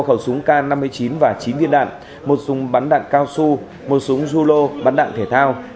một khẩu súng k năm mươi chín và chín viên đạn một súng bắn đạn cao su một súng rulo bắn đạn thể thao